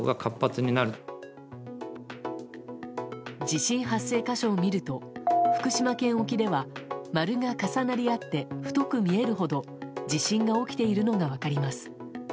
地震発生箇所を見ると福島県沖では丸が重なり合って太く見えるほど地震が起きているのが分かります。